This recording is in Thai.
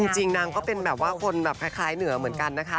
จริงนางก็เป็นแบบว่าคนแบบคล้ายเหนือเหมือนกันนะคะ